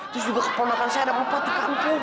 terus juga keponakan saya ada bapak di kampung